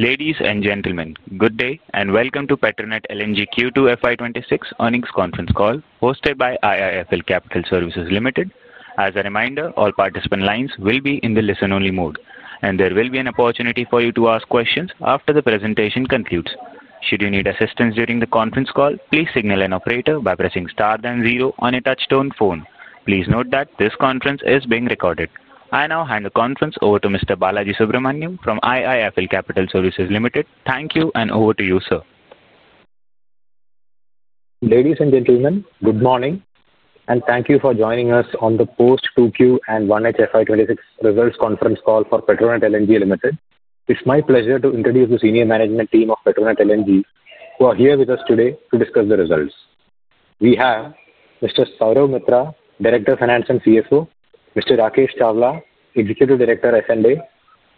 Ladies and gentlemen, good day and welcome to Petronet LNG Q2 FY26 Earnings Conference Call, hosted by IIFL Capital Services Limited. As a reminder, all participant lines will be in the listen-only mode, and there will be an opportunity for you to ask questions after the presentation concludes. Should you need assistance during the conference call, please signal an operator by pressing star then zero on a touch-tone phone. Please note that this conference is being recorded. I now hand the conference over to Mr. Balaji Subramanian from IIFL Capital Services Limited. Thank you, and over to you, sir. Ladies and gentlemen, good morning, and thank you for joining us on the post-2Q and 1H FY26 Results Conference Call for Petronet LNG Limited. It's my pleasure to introduce the senior management team of Petronet LNG, who are here with us today to discuss the results. We have Mr. Saurav Mitra, Director of Finance and CFO; Mr. Rakesh Chawla, Executive Director, F&A;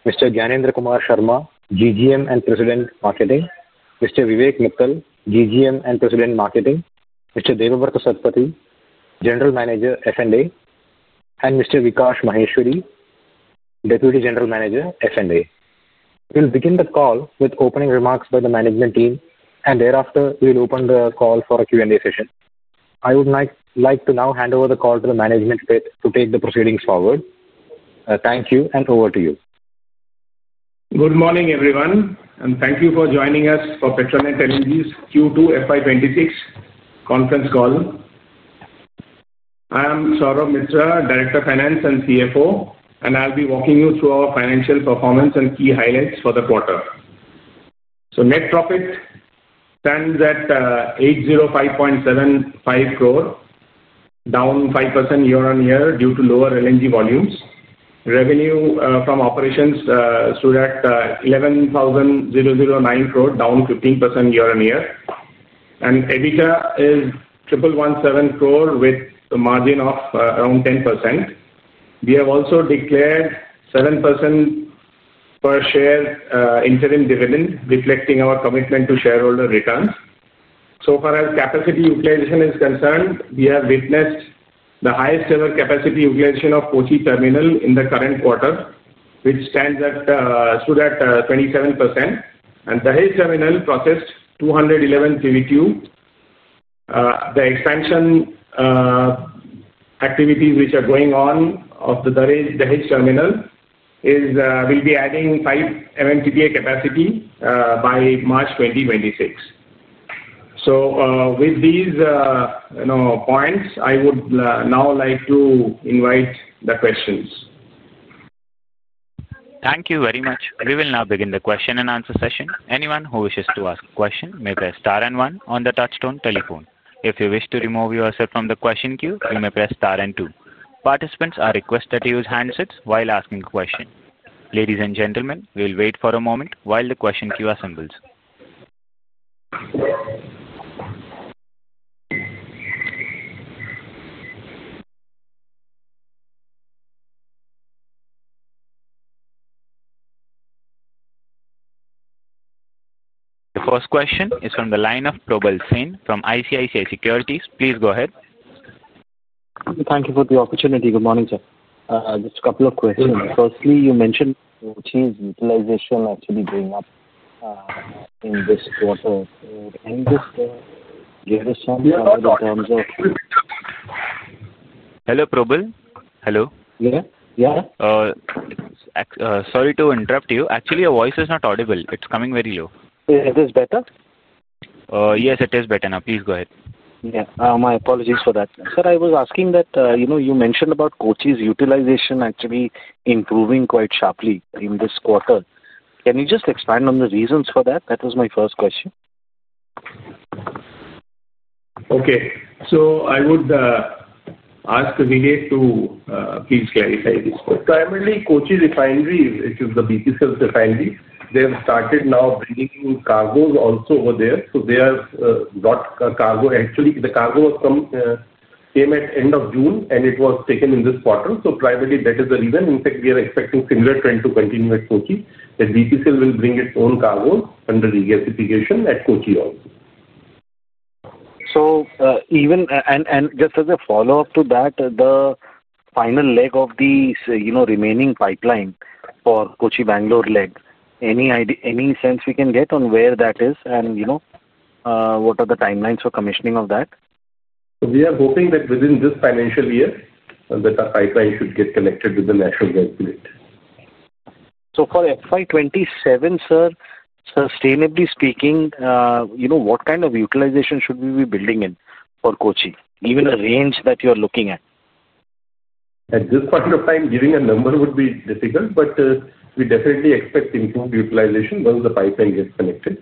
Mr. Gyanendra Kumar Sharma, GGM and President, Marketing; Mr. Vivek Mittal, GGM and President, Marketing; Mr. Debabrata Satpathy, General Manager, F&A; and Mr. Vikash Maheshwari, Deputy General Manager, F&A. We'll begin the call with opening remarks by the management team, and thereafter we'll open the call for a Q&A session. I would like to now hand over the call to the management to take the proceedings forward. Thank you, and over to you. Good morning, everyone, and thank you for joining us for Petronet LNG's Q2 FY26 Conference Call. I am Saurav Mitra, Director of Finance and CFO, and I'll be walking you through our financial performance and key highlights for the quarter. Net profit stands at 805.75 crore, down 5% -on- due to lower LNG volumes. Revenue from operations stood at 11,009 crore, down 15% year-on-year. EBITDA is 1,117 crore with a margin of around 10%. We have also declared a 7% per share interim dividend, reflecting our commitment to shareholder returns. As far as capacity utilization is concerned, we have witnessed the highest-ever capacity utilization of Kochi terminal in the current quarter, which stands at 27%. The Dahej terminal processed 211 TBTU. The expansion activities which are going on at the Dahej terminal will be adding 5 MMTPA capacity by March 2026. With these points, I would now like to invite the questions. Thank you very much. We will now begin the question and answer session. Anyone who wishes to ask a question may press star and one on the touch-tone telephone. If you wish to remove yourself from the question queue, you may press star and two. Participants are requested to use handsets while asking a question. Ladies and gentlemen, we'll wait for a moment while the question queue assembles. The first question is from the line of Prabal Singh from ICICI Securities. Please go ahead. Thank you for the opportunity. Good morning, sir. Just a couple of questions. Firstly, you mentioned Kochi's utilization actually going up in this quarter. Can you just give us some in terms of? Hello, Prabal. Hello. Yeah, yeah. Sorry to interrupt you. Actually, your voice is not audible. It is coming very low. Is this better? Yes, it is better now. Please go ahead. Yeah, my apologies for that. Sir, I was asking that you mentioned about Kochi's utilization actually improving quite sharply in this quarter. Can you just expand on the reasons for that? That was my first question. Okay. I would ask Vivek to please clarify this. Primarily, Kochi's refineries, which is the BPCL's refinery, they have started now bringing in cargoes also over there. They have brought cargo. Actually, the cargo came at the end of June, and it was taken in this quarter. Primarily, that is the reason. In fact, we are expecting a similar trend to continue at Kochi, that BPCL will bring its own cargoes under degassification at Kochi also. Even just as a follow-up to that, the final leg of the remaining pipeline for Kochi-Bangalore leg, any sense we can get on where that is and what are the timelines for commissioning of that? We are hoping that within this financial year, that the pipeline should get connected with the National Gas Unit. For FY27, sir, sustainably speaking, what kind of utilization should we be building in for Kochi, given the range that you're looking at? At this point of time, giving a number would be difficult, but we definitely expect improved utilization once the pipeline gets connected.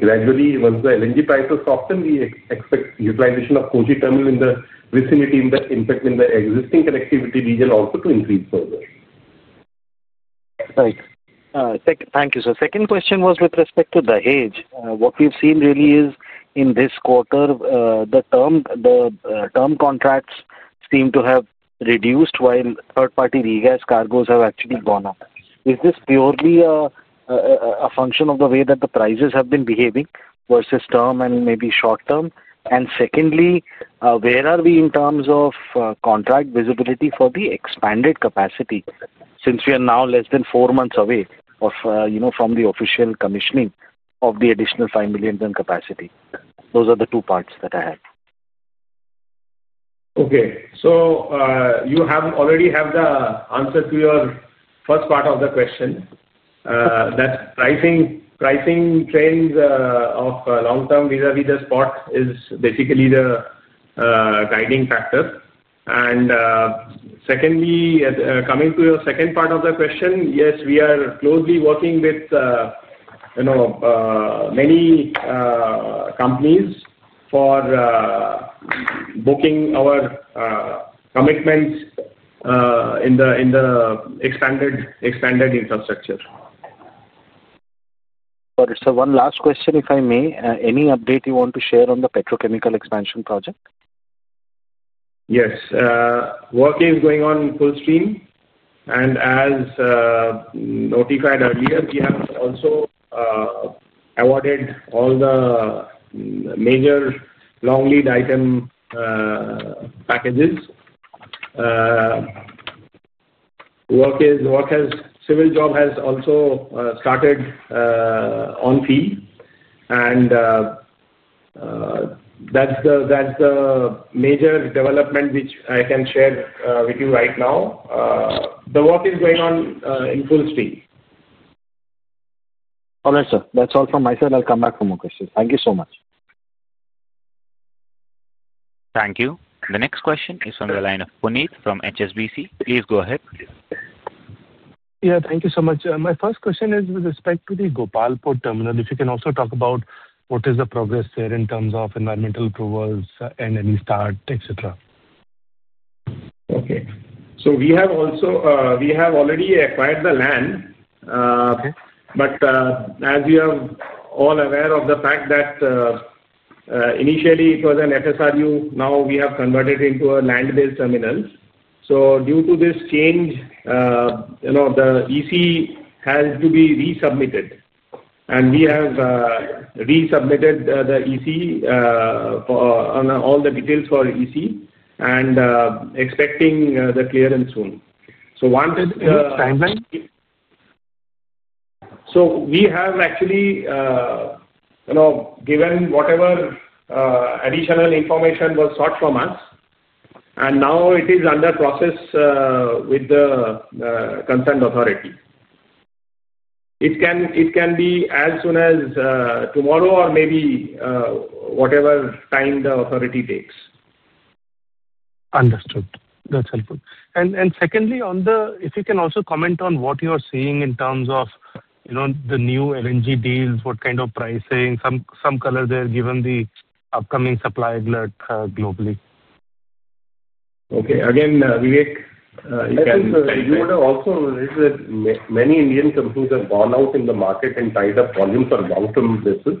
Gradually, once the LNG pipes are softened, we expect utilization of Kochi terminal in the vicinity in the existing connectivity region also to increase further. Thank you. The second question was with respect to the Dahej. What we've seen really is in this quarter, the term contracts seem to have reduced while third-party degas cargoes have actually gone up. Is this purely a function of the way that the prices have been behaving versus term and maybe short-term? Secondly, where are we in terms of contract visibility for the expanded capacity since we are now less than four months away from the official commissioning of the additional 5 million ton capacity? Those are the two parts that I had. Okay. You already have the answer to your first part of the question. That pricing trends of long-term vis-à-vis the spot is basically the guiding factor. Secondly, coming to your second part of the question, yes, we are closely working with many companies for booking our commitments in the expanded infrastructure. Sir, one last question, if I may. Any update you want to share on the petrochemical expansion project? Yes. Work is going on full steam. As notified earlier, we have also awarded all the major long-lead item packages. Civil job has also started on site. That is the major development which I can share with you right now. The work is going on in full steam. All right, sir. That's all from my side. I'll come back for more questions. Thank you so much. Thank you. The next question is from the line of Puneet from HSBC. Please go ahead. Yeah, thank you so much. My first question is with respect to the Gopalpur terminal, if you can also talk about what is the progress there in terms of environmental approvals and any start, etc. Okay. We have already acquired the land. As you are all aware of the fact that initially it was an FSRU, now we have converted into a land-based terminal. Due to this change, the EC has to be resubmitted. We have resubmitted the EC on all the details for EC and are expecting the clearance soon. Wanted. Timeline? We have actually given whatever additional information was sought from us. It is now under process with the consent authority. It can be as soon as tomorrow or maybe whatever time the authority takes. Understood. That's helpful. Secondly, if you can also comment on what you are seeing in terms of the new LNG deals, what kind of pricing, some color there, given the upcoming supply glut globally. Okay. Again, Vivek, you can say. I think you would have also noticed that many Indian companies have gone out in the market and tied up volumes for long-term business.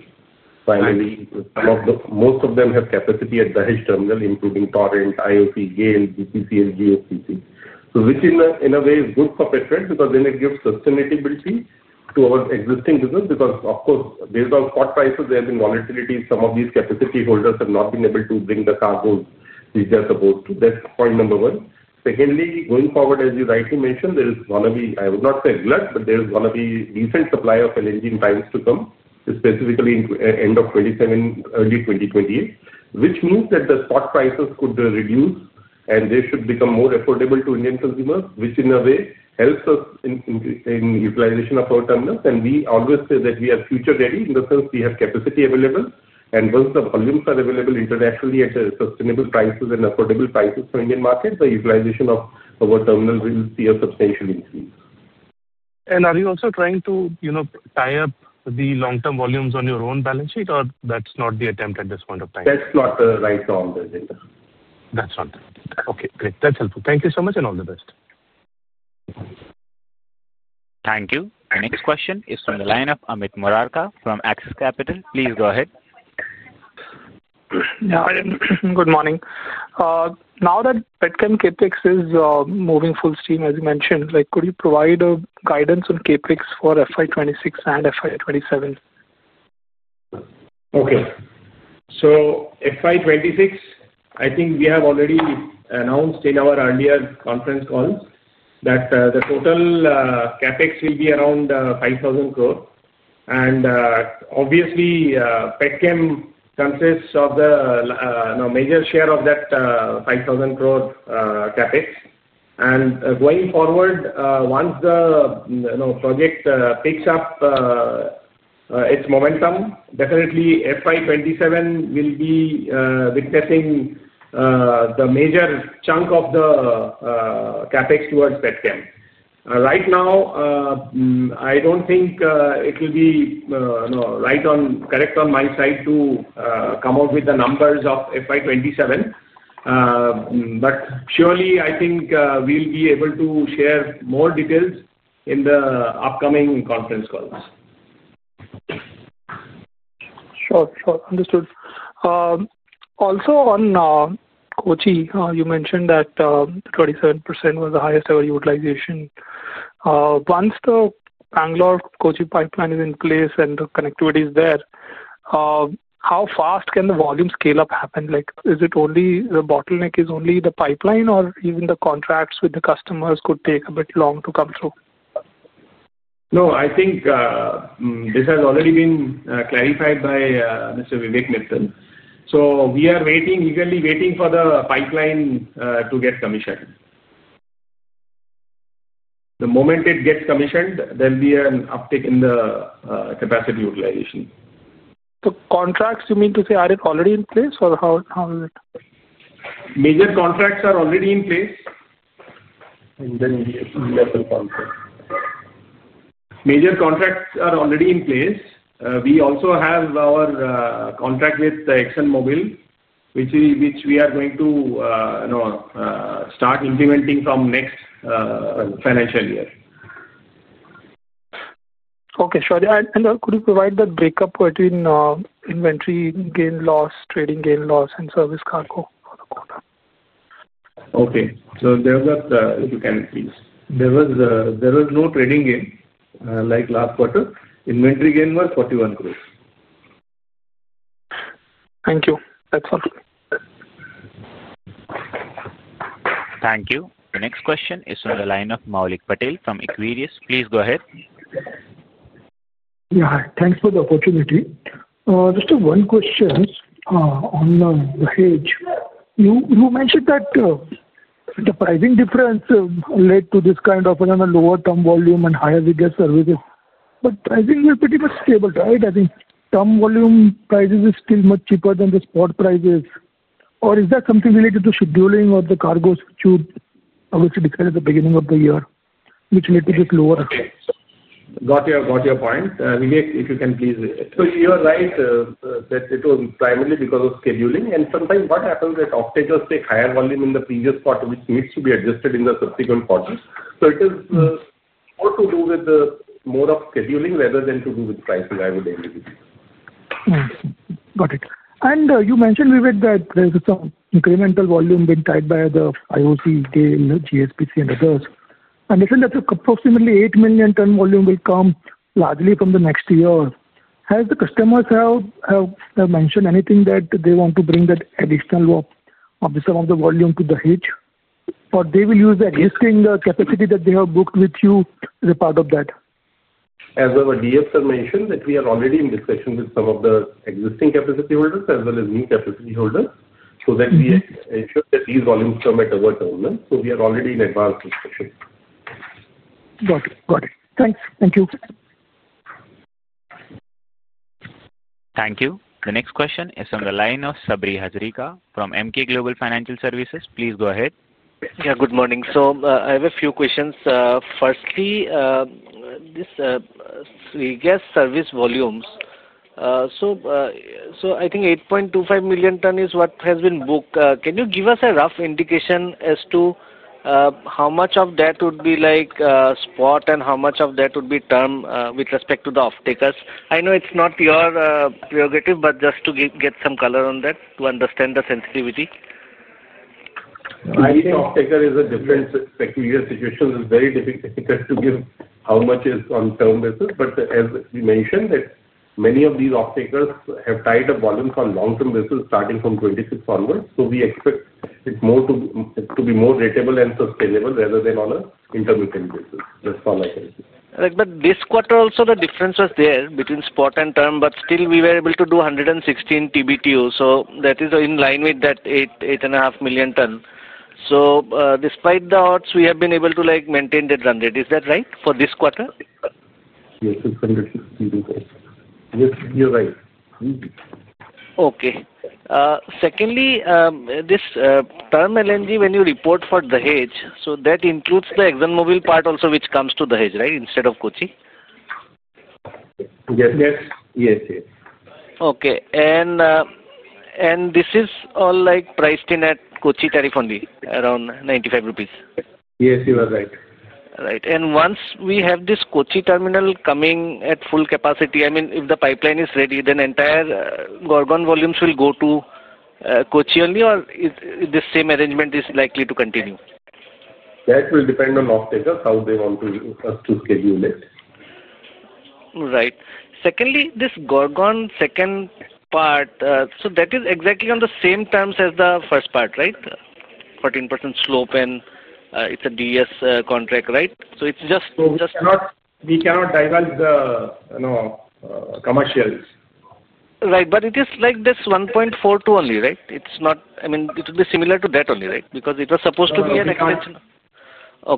Finally, most of them have capacity at the Dahej terminal, including Torrent, IOC, GAIL, Gujarat Gas, GSPC. Which in a way is good for Petronet because then it gives sustainability to our existing business because, of course, based on spot prices, there have been volatilities. Some of these capacity holders have not been able to bring the cargoes which they're supposed to. That's point number one. Secondly, going forward, as you rightly mentioned, there is going to be—I would not say a glut, but there is going to be a decent supply of LNG in times to come, specifically end of 2027, early 2028, which means that the spot prices could reduce and they should become more affordable to Indian consumers, which in a way helps us in utilization of our terminals. We always say that we are future-ready in the sense we have capacity available. Once the volumes are available internationally at sustainable prices and affordable prices for Indian markets, the utilization of our terminal will see a substantial increase. Are you also trying to tie up the long-term volumes on your own balance sheet, or that's not the attempt at this point of time? That's not the right long-term thing. That's not the right thing. Okay. Great. That's helpful. Thank you so much and all the best. Thank you. Next question is from the line of Amit Murarka from Axis Capital. Please go ahead. Good morning. Now that Petronet Capex is moving full steam, as you mentioned, could you provide guidance on Capex for FY 2026 and FY 2027? Okay. FY2026, I think we have already announced in our earlier conference calls that the total CapEx will be around 5,000 crore. Obviously, PetCon consists of the major share of that 5,000 crore CapEx. Going forward, once the project picks up its momentum, definitely FY2027 will be witnessing the major chunk of the CapEx towards PetCon. Right now, I do not think it will be right on my side to come up with the numbers of FY2027. Surely, I think we will be able to share more details in the upcoming conference calls. Sure, sure. Understood. Also on Kochi, you mentioned that 27% was the highest ever utilization. Once the Bangalore-Kochi pipeline is in place and the connectivity is there, how fast can the volume scale-up happen? Is it only the bottleneck is only the pipeline, or even the contracts with the customers could take a bit long to come through? No, I think this has already been clarified by Mr. Vivek Mittal. We are eagerly waiting for the pipeline to get commissioned. The moment it gets commissioned, there will be an uptick in the capacity utilization. Contracts, you mean to say, are it already in place or how is it? Major contracts are already in place. We also have our contract with ExxonMobil, which we are going to start implementing from next financial year. Okay, sure. Could you provide the breakup between inventory gain loss, trading gain loss, and service cargo for the quarter? Okay. So if you can, please. There was no trading gain like last quarter. Inventory gain was 41 crore. Thank you. That's all. Thank you. The next question is from the line of Maulik Patel from Equarius. Please go ahead. Yeah, thanks for the opportunity. Just one question on the Dahej. You mentioned that the pricing difference led to this kind of lower term volume and higher service gains. Pricing was pretty much stable, right? I think term volume prices are still much cheaper than the spot prices. Is that something related to scheduling or the cargoes obviously decided at the beginning of the year, which led to this lower? Got your point. Vivek, if you can please. You are right that it was primarily because of scheduling. Sometimes what happens is that off-taker takes higher volume in the previous quarter, which needs to be adjusted in the subsequent quarters. It has more to do with more of scheduling rather than to do with pricing, I would agree. Got it. You mentioned, Vivek, that there's some incremental volume being tied by IOC, GAIL, GSPC, and others. I understand that approximately 8 million ton volume will come largely from the next year. Has the customers mentioned anything that they want to bring that additional of some of the volume to Dahej, or they will use the existing capacity that they have booked with you as a part of that? As our DFs have mentioned, we are already in discussion with some of the existing capacity holders as well as new capacity holders so that we ensure that these volumes come at our terminal. We are already in advanced discussion. Got it. Got it. Thanks. Thank you. Thank you. The next question is from the line of Sabri Hazarika from Emkay Global Financial Services. Please go ahead. Yeah, good morning. I have a few questions. Firstly, these gas service volumes, I think 8.25 million ton is what has been booked. Can you give us a rough indication as to how much of that would be spot and how much of that would be term with respect to the off-takers? I know it's not your prerogative, but just to get some color on that to understand the sensitivity. I think off-takers is a different situation. It's very difficult to give how much is on term basis. But as we mentioned, many of these off-takers have tied up volumes on long-term basis starting from 2026 onwards. So we expect it to be more ratable and sustainable rather than on an intermittent basis. That's all I can say. This quarter, also the difference was there between spot and term, but still we were able to do 116 TBTU. That is in line with that 8.5 million ton. Despite the odds, we have been able to maintain that run rate. Is that right for this quarter? Yes, it's 116 TBTU. Yes, you're right. Okay. Secondly, this term LNG, when you report for the H, so that includes the ExxonMobil part also which comes to the H, right, instead of Kochi? Yes. Okay. And this is all priced in at Kochi tariff only, around 95 rupees? Yes, you are right. Right. Once we have this Kochi terminal coming at full capacity, I mean, if the pipeline is ready, then entire Gorgon volumes will go to Kochi only, or the same arrangement is likely to continue? That will depend on off-takers, how they want us to schedule it. Right. Secondly, this Gorgon second part, so that is exactly on the same terms as the first part, right? 14% slope and it's a DS contract, right? So it's just. We cannot divulge the commercials. Right. But it is like this 1.42 only, right? I mean, it would be similar to that only, right? Because it was supposed to be an extension.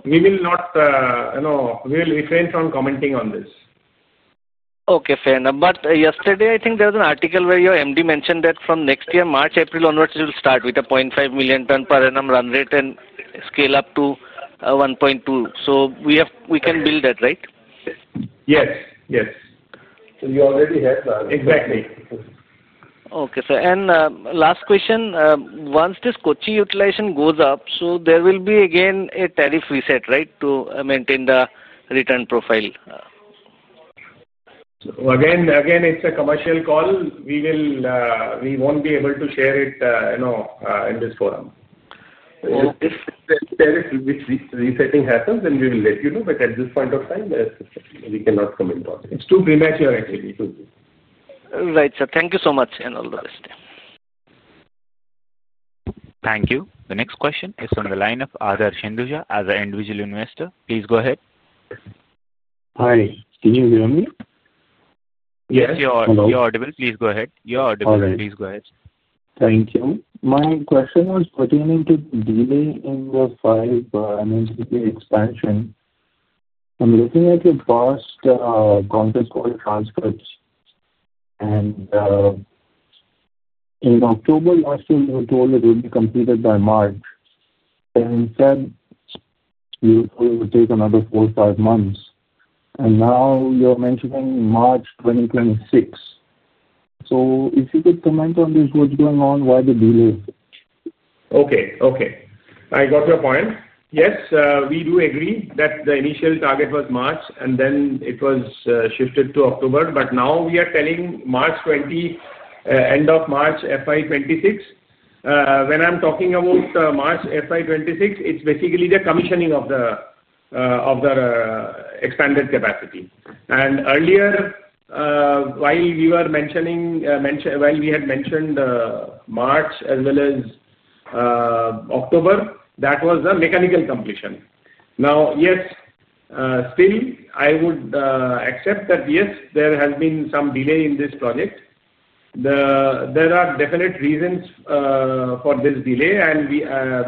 We will refrain from commenting on this. Okay, fair. Yesterday, I think there was an article where your MD mentioned that from next year, March, April onwards, it will start with a 500,000 ton per annum run rate and scale up to 1.2. We can build that, right? Yes, yes. You already have the. Exactly. Okay, sir. And last question, once this Kochi utilization goes up, there will be again a tariff reset, right, to maintain the return profile? Again, it's a commercial call. We won't be able to share it in this forum. If the tariff resetting happens, then we will let you know. At this point of time, we cannot comment on it. It's too premature, actually. Right, sir. Thank you so much and all the best. Thank you. The next question is from the line of Ardhar Shenduja, as an individual investor. Please go ahead. Hi. Can you hear me? Yes, you're audible. Please go ahead. Thank you. My question was pertaining to delay in the five-month expansion. I'm looking at your past conference call transcripts. In October last year, you were told it would be completed by March. Instead, you were told it would take another four-five months. Now you're mentioning March 2026. If you could comment on this, what's going on, why the delay? Okay, okay. I got your point. Yes, we do agree that the initial target was March, and then it was shifted to October. Now we are telling March 2026, end of March, FY26. When I'm talking about March FY26, it's basically the commissioning of the expanded capacity. Earlier, while we were mentioning, while we had mentioned March as well as October, that was the mechanical completion. Yes, still, I would accept that yes, there has been some delay in this project. There are definite reasons for this delay. We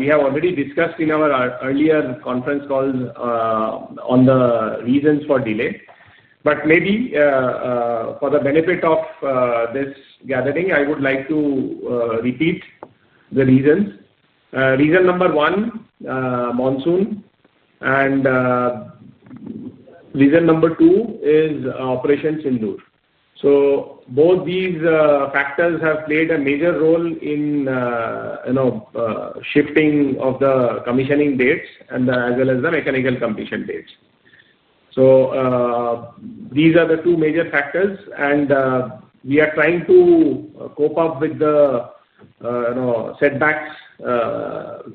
have already discussed in our earlier conference calls on the reasons for delay. Maybe for the benefit of this gathering, I would like to repeat the reasons. Reason number one, monsoon. Reason number two is Operation Sindoor. Both these factors have played a major role in shifting of the commissioning dates as well as the mechanical completion dates. These are the two major factors. We are trying to cope up with the setbacks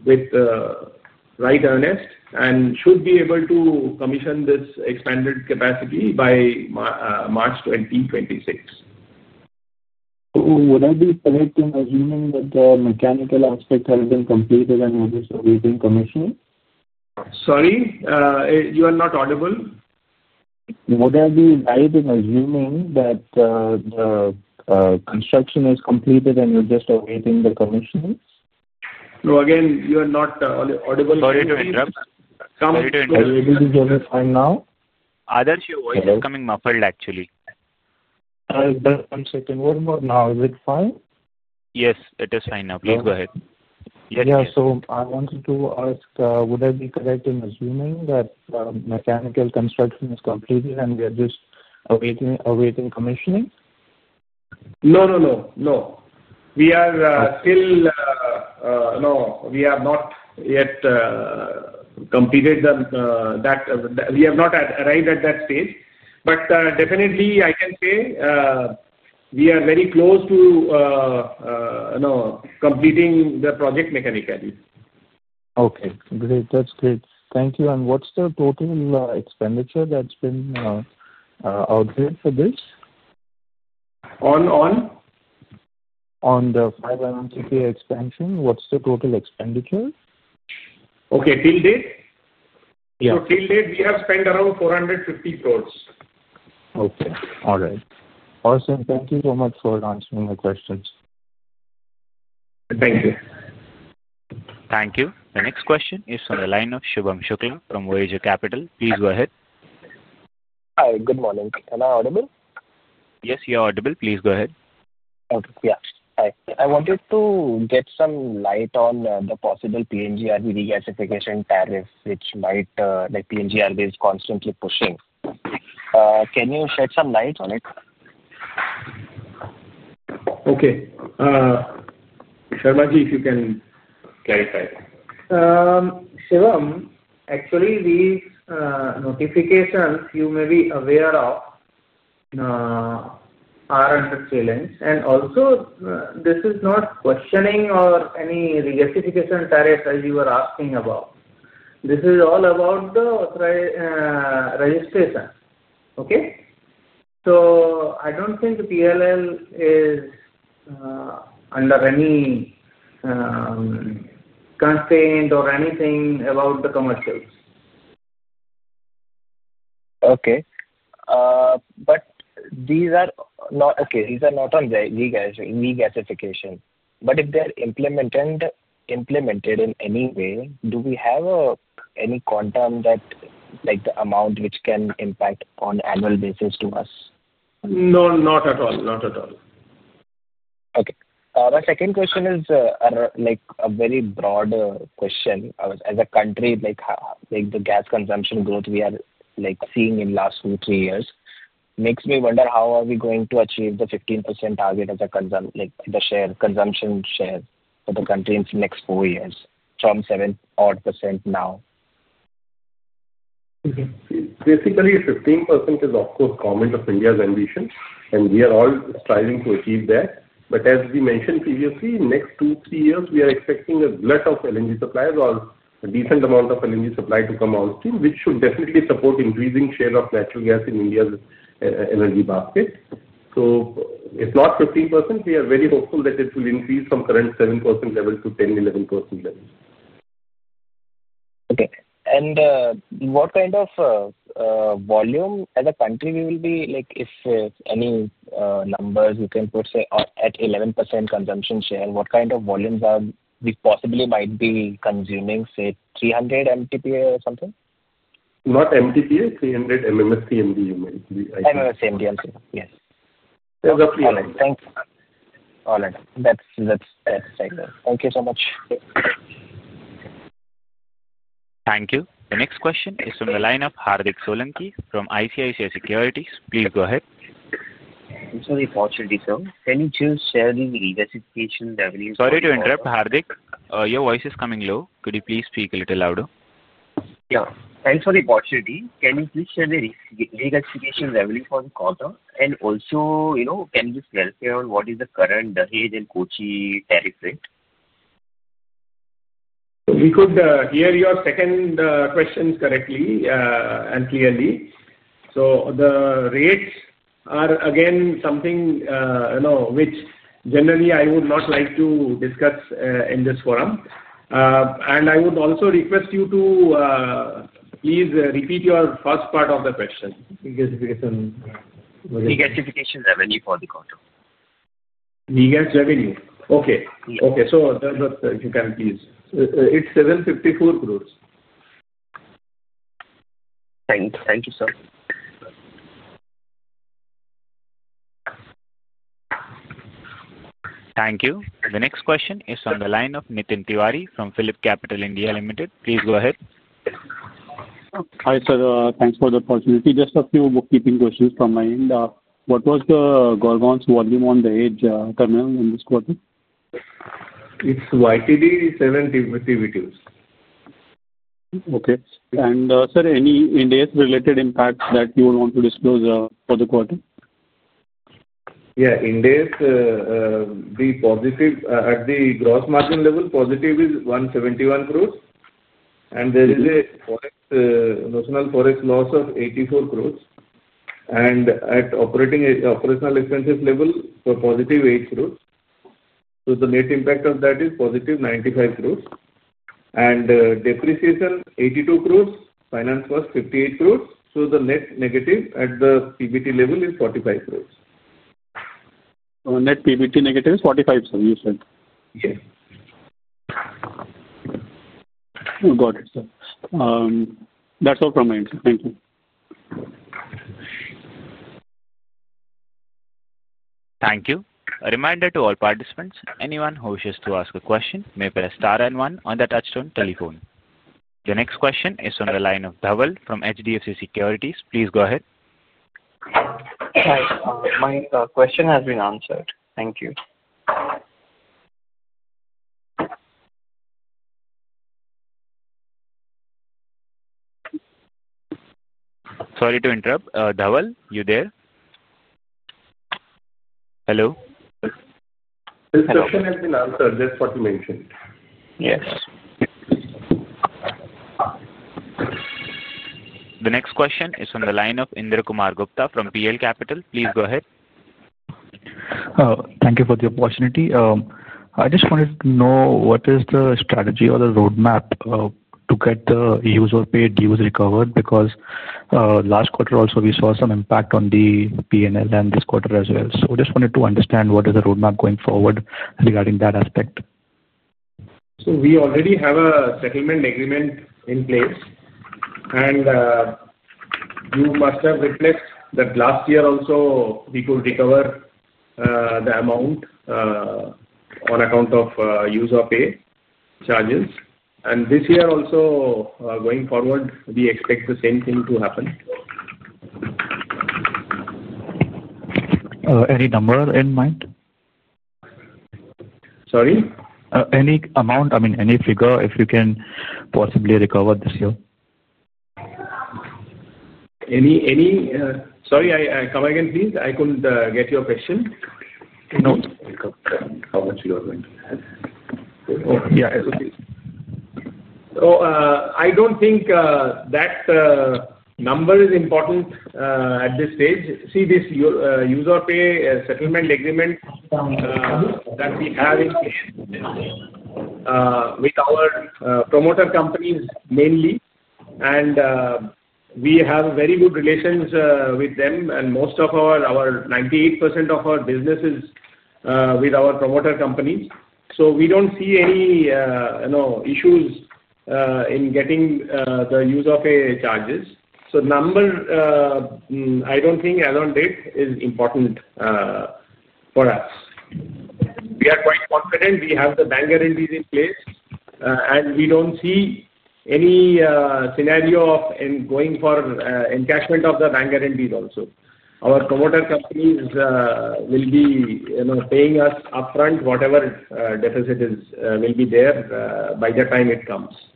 with the right earnest and should be able to commission this expanded capacity by March 2026. Would I be correct in assuming that the mechanical aspect has been completed and you're just awaiting commissioning? Sorry? You are not audible. Would I be right in assuming that the construction is completed and you're just awaiting the commissioning? No, again, you are not audible. Sorry to interrupt. Are you able to hear me fine now? Ardhar, your voice is coming muffled, actually. One second. One more now. Is it fine? Yes, it is fine now. Please go ahead. Yeah, so I wanted to ask, would I be correct in assuming that mechanical construction is completed and we are just awaiting commissioning? No, no. We are still, no, we have not yet completed that. We have not arrived at that stage. Definitely, I can say we are very close to completing the project mechanically. Okay. Great. That's great. Thank you. What's the total expenditure that's been out there for this? On? On the 5 MMTPA expansion, what's the total expenditure? Okay, till date? Yeah. Till date, we have spent around 450 crore. Okay. All right. Awesome. Thank you so much for answering my questions. Thank you. Thank you. The next question is from the line of Shubham Shukla from Voyager Capital. Please go ahead. Hi, good morning. Am I audible? Yes, you're audible. Please go ahead. Okay. Yeah. Hi. I wanted to get some light on the possible PNGRB regasification tariff, which PNGRB is constantly pushing. Can you shed some light on it? Okay. Sharmaji, if you can clarify. Shubham, actually, these notifications you may be aware of are under chillings. Also, this is not questioning or any degassification tariff as you were asking about. This is all about the registration. Okay? I do not think the PLL is under any constraint or anything about the commercials. Okay. These are not on regasification. If they are implemented in any way, do we have any quantum that the amount which can impact on annual basis to us? No, not at all. Not at all. Okay. The second question is a very broader question. As a country, the gas consumption growth we are seeing in the last two, three years makes me wonder how are we going to achieve the 15% target as a share consumption share for the country in the next four years from 7% now? Basically, 15% is, of course, common to India's ambition. We are all striving to achieve that. As we mentioned previously, in the next two, three years, we are expecting a glut of LNG supplies or a decent amount of LNG supply to come on stream, which should definitely support increasing share of natural gas in India's energy basket. If not 15%, we are very hopeful that it will increase from current 7% level to 10-11% level. Okay. What kind of volume as a country will we be, if any numbers you can put, say, at 11% consumption share, what kind of volumes are we possibly might be consuming, say, 300 MTPA or something? Not MMTPA, 300 MMSCMD, you may be. MMSCMD, I'm sorry. Yes. That's a free answer. All right. Thanks. All right. That's it. Thank you so much. Thank you. The next question is from the line of Hardik Solanki from ICICI Securities. Please go ahead. Thanks for the opportunity, sir. Can you please share the regasification revenue? Sorry to interrupt, Hardik. Your voice is coming low. Could you please speak a little louder? Yeah. Thanks for the opportunity. Can you please share the degasification revenue for the quarter? Also, can you just clarify on what is the current Dahej and Kochi tariff rate? We could hear your second question correctly and clearly. The rates are again something which generally I would not like to discuss in this forum. I would also request you to please repeat your first part of the question. Regassification revenue for the quarter. Re-gas revenue. Okay. Okay. So if you can, please. It is INR 754 crore. Thank you, sir. Thank you. The next question is from the line of Nitin Tiwari from Philip Capital India Limited. Please go ahead. Hi, sir. Thanks for the opportunity. Just a few bookkeeping questions from my end. What was the Gorgon volume on the Dahej terminal in this quarter? It's YTD 70 TBTU. Okay. Sir, any in-days related impact that you would want to disclose for the quarter? Yeah. In-days, the gross margin level positive is 171 crore. There is a national forest loss of 84 crore. At operational expenses level, positive 8 crore. The net impact of that is positive 95 crore. Depreciation 82 crore, finance was 58 crore. The net negative at the PBT level is 45 crore. Net PBT negative is 45, sir, you said? Yes. Got it, sir. That's all from my end. Thank you. Thank you. A reminder to all participants, anyone who wishes to ask a question may press star and one on the touchstone telephone. The next question is from the line of Dhaval from HDFC Securities. Please go ahead. Hi. My question has been answered. Thank you. Sorry to interrupt. Dhaval, you there? Hello? The question has been answered. Just what you mentioned. Yes. The next question is from the line of Indrakumar Gupta from PL Capital. Please go ahead. Thank you for the opportunity. I just wanted to know what is the strategy or the roadmap to get the use or pay dues recovered because last quarter also we saw some impact on the PNL and this quarter as well. I just wanted to understand what is the roadmap going forward regarding that aspect. We already have a settlement agreement in place. You must have reflected that last year also we could recover the amount on account of use or pay charges. This year also, going forward, we expect the same thing to happen. Any number in mind? Sorry? Any amount, I mean, any figure if you can possibly recover this year? Any, sorry, come again, please. I couldn't get your question. No, it's okay. How much are you going to? Oh, I don't think that number is important at this stage. See, this use or pay settlement agreement that we have with our promoter companies mainly. We have very good relations with them. Most of our 98% of our business is with our promoter companies. We don't see any issues in getting the use or pay charges. Number, I don't think at on date is important for us. We are quite confident we have the bank guarantees in place. We don't see any scenario of going for encashment of the bank guarantees also. Our promoter companies will be paying us upfront whatever deficit will be there by the time it comes. As we move to accounts, the COI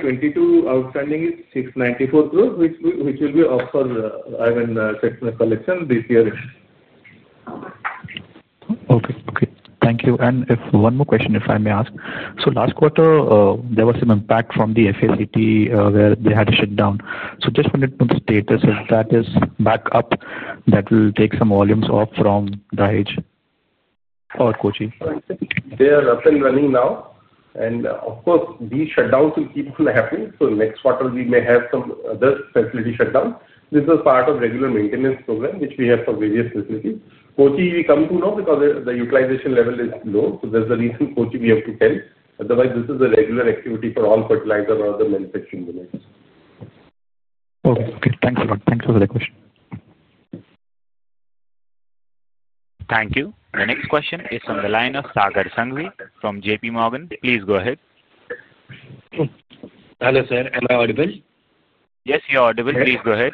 22 outstanding is 694 crore, which will be up for collection this year. Okay. Okay. Thank you. One more question, if I may ask. Last quarter, there was some impact from FACT where they had a shutdown. Just wanted to know the status, if that is back up, that will take some volumes off from the H or Kochi? They are up and running now. Of course, these shutdowns will keep on happening. Next quarter, we may have some other facility shutdown. This is part of a regular maintenance program which we have for various facilities. Kochi we come to now because the utilization level is low. There is a reason Kochi we have to tell. Otherwise, this is a regular activity for all fertilizer or other manufacturing units. Okay. Okay. Thanks a lot. Thanks for the question. Thank you. The next question is from the line of Sagar Shah with from JP Morgan. Please go ahead. Hello, sir. Am I audible? Yes, you're audible. Please go ahead.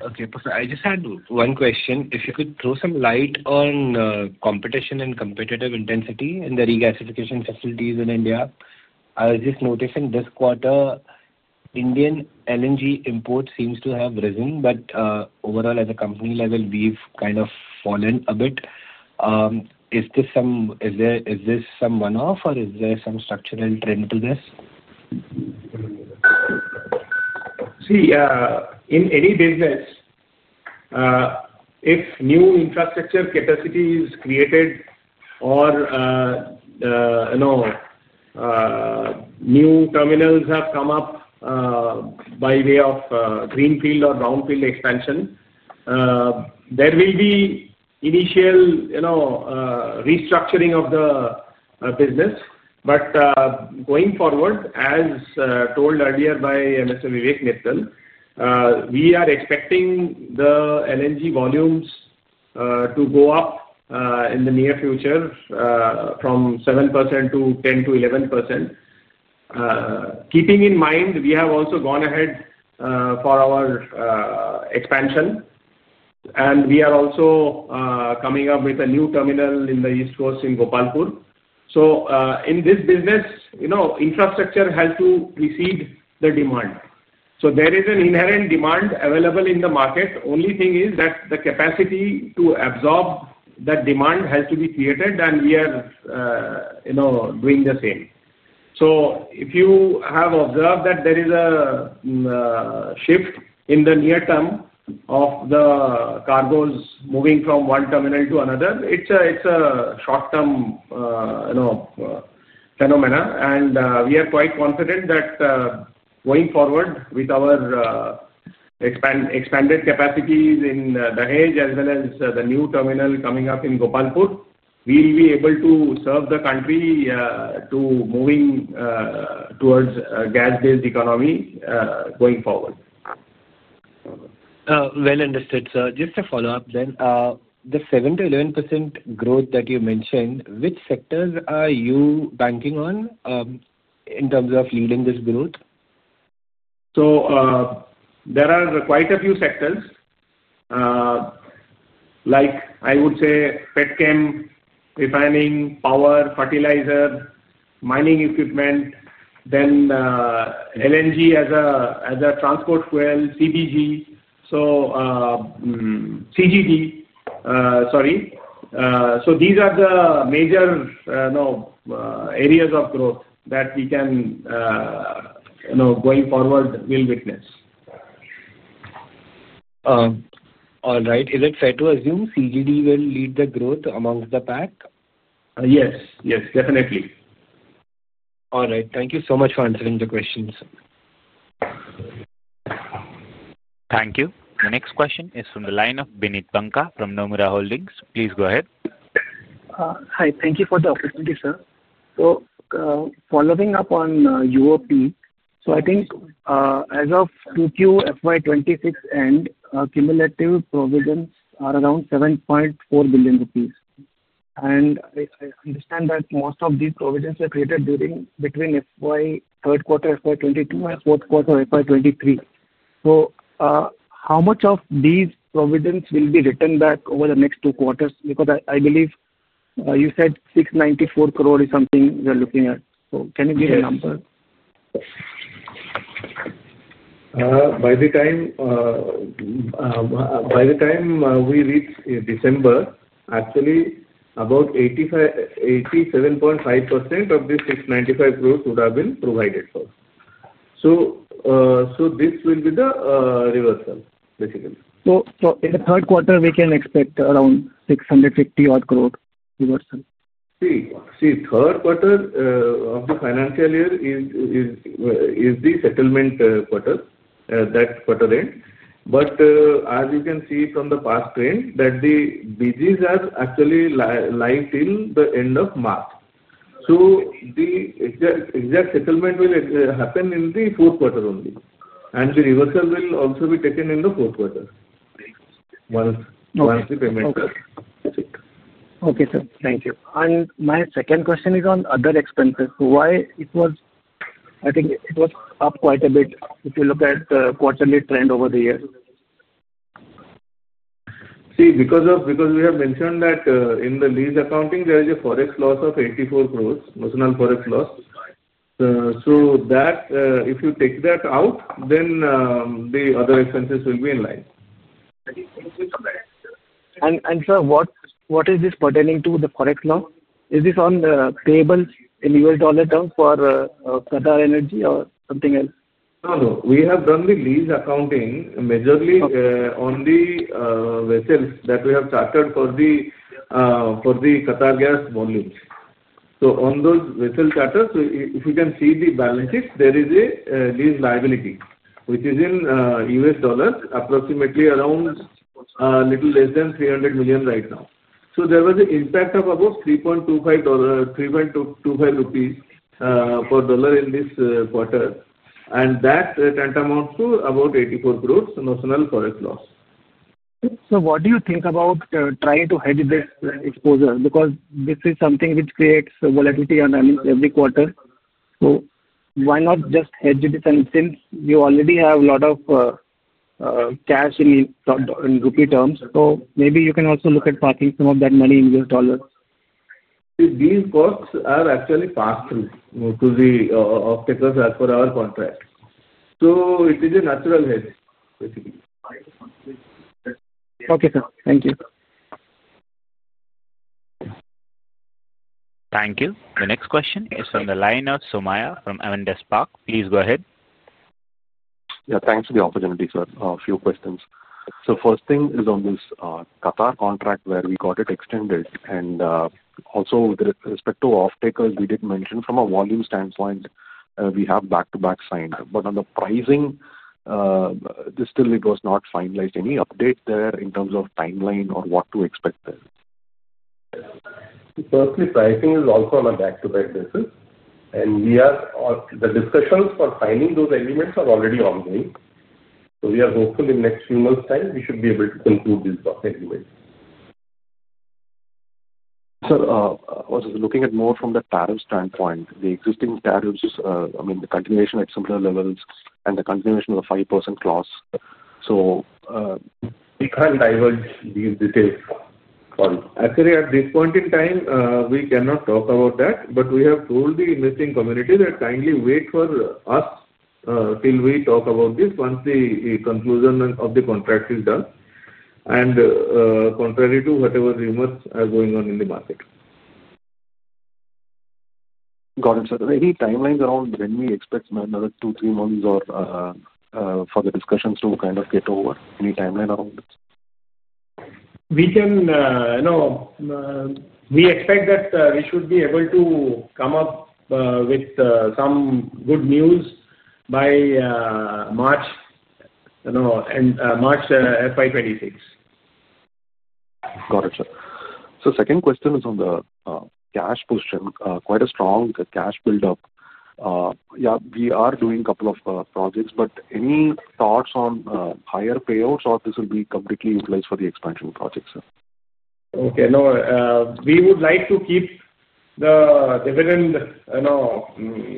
Okay. I just had one question. If you could throw some light on competition and competitive intensity in the regasification facilities in India. I was just noticing this quarter, Indian LNG import seems to have risen. But overall, at the company level, we've kind of fallen a bit. Is this some one-off or is there some structural trend to this? See, in any business, if new infrastructure capacity is created or new terminals have come up by way of greenfield or brownfield expansion, there will be initial restructuring of the business. Going forward, as told earlier by Mr. Vivek Mittal, we are expecting the LNG volumes to go up in the near future from 7% to 10-11%. Keeping in mind, we have also gone ahead for our expansion. We are also coming up with a new terminal in the east coast in Gopalpur. In this business, infrastructure has to exceed the demand. There is an inherent demand available in the market. Only thing is that the capacity to absorb that demand has to be created. We are doing the same. If you have observed that there is a shift in the near term of the cargoes moving from one terminal to another, it's a short-term phenomena. We are quite confident that going forward with our expanded capacities in Dahej as well as the new terminal coming up in Gopalpur, we'll be able to serve the country to moving towards a gas-based economy going forward. Understood, sir. Just a follow-up then. The 7-11% growth that you mentioned, which sectors are you banking on in terms of leading this growth? There are quite a few sectors. I would say Petchem, refining, power, fertilizer, mining equipment, then LNG as a transport fuel, CGD, so these are the major areas of growth that we can going forward will witness. All right. Is it fair to assume CGD will lead the growth amongst the pack? Yes. Yes. Definitely. All right. Thank you so much for answering the questions, sir. Thank you. The next question is from the line of Bineet Banka from Nomura Holdings. Please go ahead. Hi. Thank you for the opportunity, sir. Following up on UOP, I think as of Q4 FY 2026 end, cumulative provisions are around 7.4 billion rupees. I understand that most of these provisions were created between third quarter FY 2022 and fourth quarter FY 2023. How much of these provisions will be returned back over the next two quarters? I believe you said 694 crore is something we are looking at. Can you give a number? By the time we reach December, actually, about 87.5% of this 695 crore would have been provided for. This will be the reversal, basically. In the third quarter, we can expect around 650 crore reversal. See, third quarter of the financial year is the settlement quarter, that quarter end. As you can see from the past trend, the BGs are actually live till the end of March. The exact settlement will happen in the fourth quarter only. The reversal will also be taken in the fourth quarter once the payments are. Okay, sir. Thank you. My second question is on other expenses. Why it was, I think it was up quite a bit if you look at the quarterly trend over the year? See, because we have mentioned that in the lease accounting, there is a forex loss of 840 million, national forex loss. If you take that out, then the other expenses will be in line. Sir, what is this pertaining to the forex loss? Is this on the payables in US dollar term for Qatargas or something else? No, no. We have done the lease accounting majorly on the vessels that we have chartered for the Qatargas volumes. On those vessel charters, if you can see the balances, there is a lease liability, which is in US dollars, approximately around a little less than $300 million right now. There was an impact of about INR 3.25 per dollar in this quarter. That amounts to about 84 crore national forex loss. What do you think about trying to hedge this exposure? Because this is something which creates volatility on every quarter. Why not just hedge this? Since you already have a lot of cash in rupee terms, maybe you can also look at parking some of that money in US dollars. These costs are actually passed through to the off-takers for our contract. So it is a natural hedge, basically. Okay, sir. Thank you. Thank you. The next question is from the line of Somaya from M&S Park. Please go ahead. Yeah. Thanks for the opportunity, sir. A few questions. First thing is on this Qatar contract where we got it extended. Also, with respect to off-takers, we did mention from a volume standpoint, we have back-to-back signed. On the pricing, still it was not finalized. Any update there in terms of timeline or what to expect there? Firstly, pricing is also on a back-to-back basis. The discussions for finding those agreements are already ongoing. We are hopeful in the next few months' time, we should be able to conclude these agreements. Sir, I was looking at more from the tariff standpoint, the existing tariffs, I mean, the continuation at similar levels and the continuation of the 5% clause. We can't divulge these details. Actually, at this point in time, we cannot talk about that. We have told the existing community that kindly wait for us till we talk about this once the conclusion of the contract is done. Contrary to whatever rumors are going on in the market. Got it, sir. Any timelines around when we expect another two-three months for the discussions to kind of get over? Any timeline around this? We expect that we should be able to come up with some good news by March FY 2026. Got it, sir. Second question is on the cash position. Quite a strong cash buildup. Yeah, we are doing a couple of projects. Any thoughts on higher payouts or this will be completely utilized for the expansion project, sir? Okay. No, we would like to keep the dividend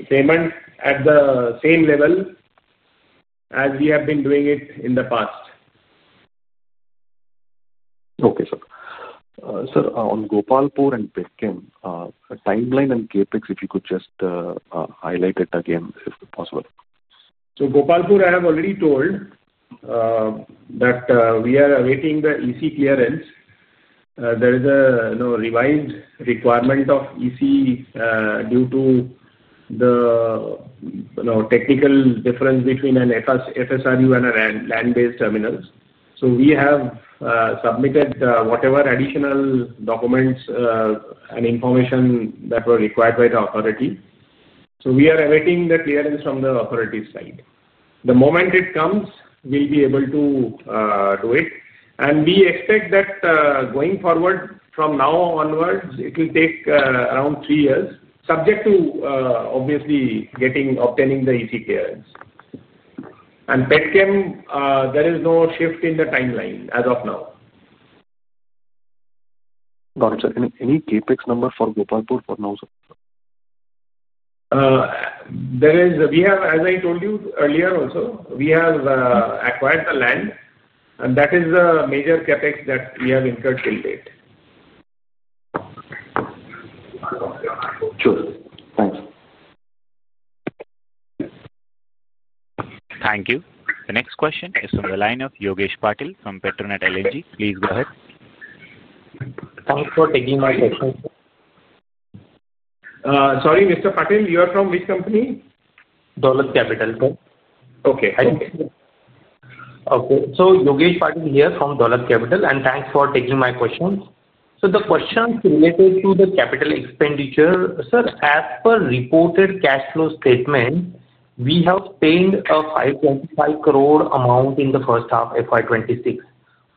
payment at the same level as we have been doing it in the past. Okay, sir. Sir, on Gopalpur and Birkin, timeline and CapEx, if you could just highlight it again if possible. Gopalpur, I have already told that we are awaiting the EC clearance. There is a revised requirement of EC due to the technical difference between an FSRU and a land-based terminal. We have submitted whatever additional documents and information that were required by the authority. We are awaiting the clearance from the authority side. The moment it comes, we'll be able to do it. We expect that going forward from now onwards, it will take around three years, subject to obviously obtaining the EC clearance. Petchem, there is no shift in the timeline as of now. Got it, sir. Any CapEx number for Gopalpur for now, sir? As I told you earlier also, we have acquired the land. That is the major CapEx that we have incurred till date. Sure. Thanks. Thank you. The next question is from the line of Yogesh Patil from Petronet LNG. Please go ahead. Thanks for taking my question, sir. Sorry, Mr. Patil, you are from which company? Yogesh Patil, sir. Okay. Okay. Yogesh Patil here from Dolat Capital. Thanks for taking my question. The question is related to the capital expenditure. Sir, as per reported cash flow statement, we have paid 525 crore amount in the first half FY 2026.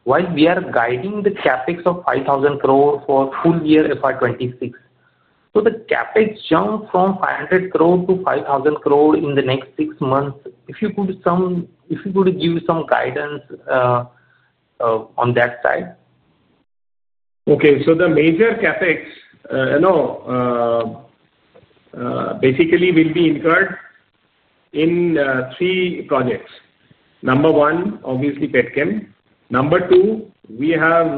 While we are guiding the CapEx of 5,000 crore for full year FY 2026, the CapEx jumps from 500 crore to 5,000 crore in the next six months. If you could give some guidance on that side? Okay. The major CapEx basically will be incurred in three projects. Number one, obviously Petchem. Number two, we have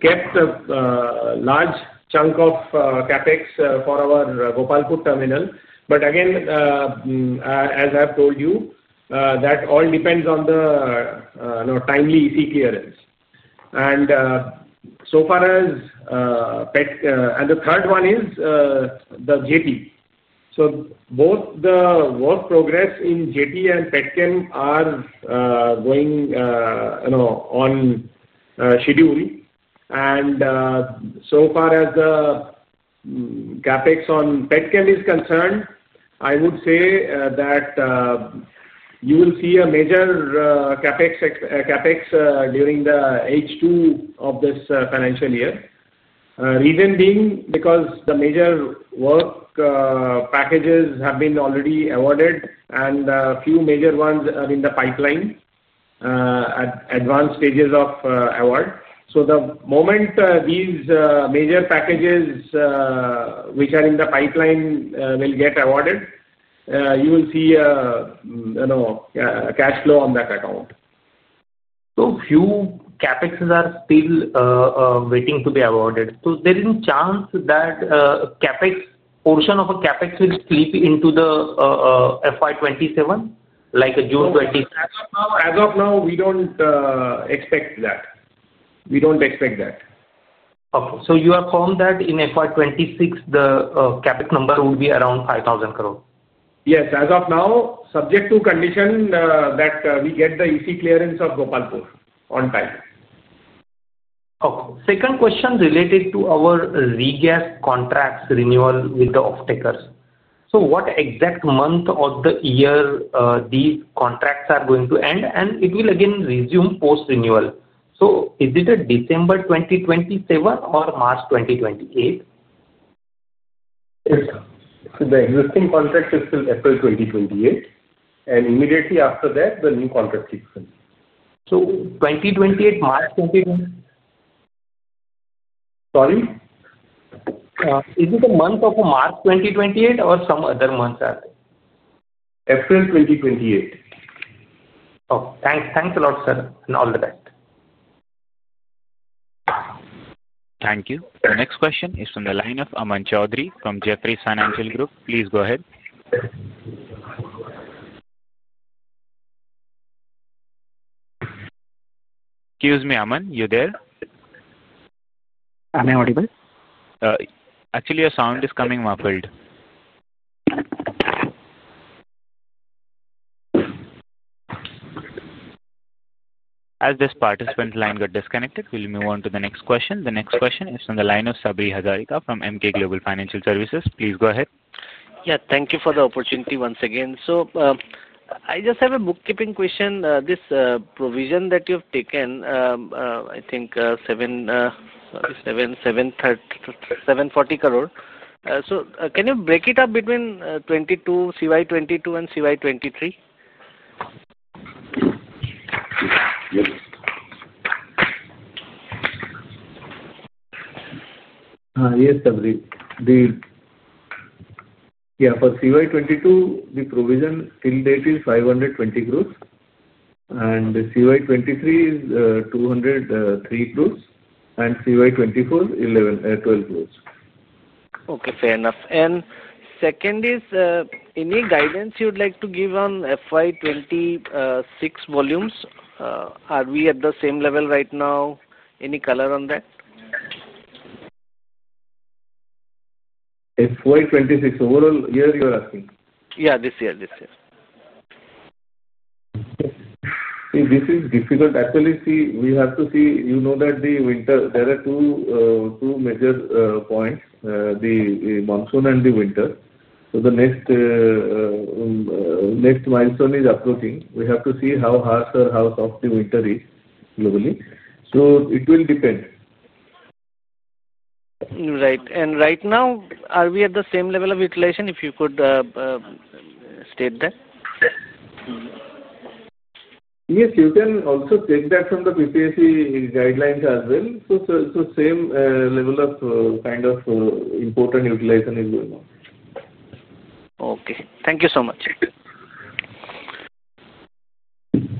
kept a large chunk of CapEx for our Gopalpur terminal. Again, as I have told you, that all depends on the timely EC clearance. As far as Petchem, and the third one is the JP. Both the work progress in JP and Petchem are going on schedule. As far as the CapEx on Petchem is concerned, I would say that you will see a major CapEx during the H2 of this financial year. The reason being because the major work packages have been already awarded, and a few major ones are in the pipeline at advanced stages of award. The moment these major packages, which are in the pipeline, get awarded, you will see cash flow on that account. A few CapExes are still waiting to be awarded. There is a chance that a portion of CapEx will slip into FY 2027, like June 2026? As of now, we don't expect that. Okay. So you are confident that in FY 2026, the CapEx number would be around 5,000 crore? Yes. As of now, subject to condition that we get the EC clearance of Gopalpur on time. Okay. Second question related to our Z gas contracts renewal with the off-takers. So what exact month of the year these contracts are going to end, and it will again resume post-renewal? Is it December 2027 or March 2028? Yes, sir. The existing contract is till April 2028. Immediately after that, the new contract kicks in. 2028, March 2028? Sorry? Is it the month of March 2028 or some other months are they? April 2028. Okay. Thanks a lot, sir. All the best. Thank you. The next question is from the line of Aman Choudhury from Jefferies Financial Group. Please go ahead. Excuse me, Aman, you there? Am I audible. Actually, your sound is coming muffled. As this participant line got disconnected, we'll move on to the next question. The next question is from the line of Sabri Hazarika from Emkay Global Financial Services. Please go ahead. Yeah. Thank you for the opportunity once again. I just have a bookkeeping question. This provision that you have taken, I think 740 crore. Can you break it up between calendar year 2022 and calendar year 2023? Yes, Sabri. Yeah. For CY 2022, the provision till date is 520 crore. CY 2023 is 203 crore. CY 2024, 12 crore. Okay. Fair enough. Second is, any guidance you'd like to give on FY 2026 volumes? Are we at the same level right now? Any color on that? FY 2026 overall, year, you are asking? Yeah. This year. See, this is difficult. Actually, see, we have to see, you know, that there are two major points, the monsoon and the winter. The next milestone is approaching. We have to see how hard or how soft the winter is globally. It will depend. Right. And right now, are we at the same level of utilization, if you could state that? Yes. You can also take that from the PPSC guidelines as well. So same level of kind of important utilization is going on. Okay. Thank you so much.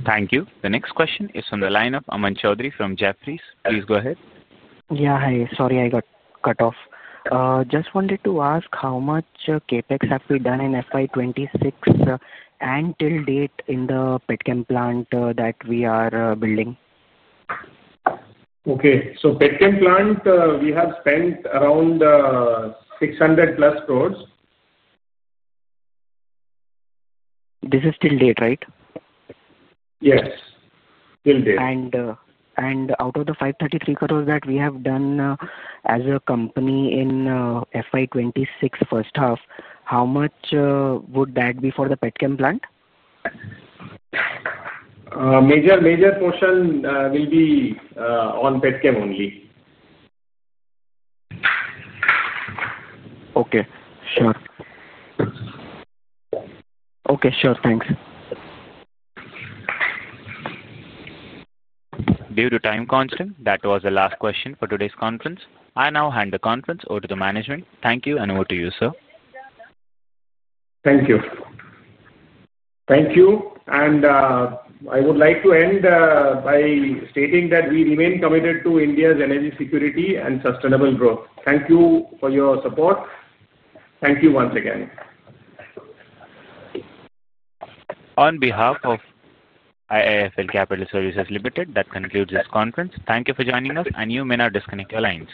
Thank you. The next question is from the line of Aman Choudhury from Jefferies. Please go ahead. Yeah. Hi. Sorry, I got cut off. Just wanted to ask how much CapEx have we done in FY 2026 and till date in the Petchem plant that we are building? Okay. So Petchem plant, we have spent around 600 crore plus. This is till date, right? Yes. Till date. Out of the 533 crore that we have done as a company in FY 2026 first half, how much would that be for the Petchem plant? Major portion will be on Petchem only. Okay. Sure. Okay. Sure. Thanks. Due to time constraint, that was the last question for today's conference. I now hand the conference over to the management. Thank you. Over to you, sir. Thank you. I would like to end by stating that we remain committed to India's energy security and sustainable growth. Thank you for your support. Thank you once again. On behalf of IIFL Capital Services Limited, that concludes this conference. Thank you for joining us. You may now disconnect your lines.